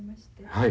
はい。